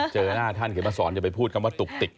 เจอหน้าท่านเขาจะมาพูดคำว่าตุกติก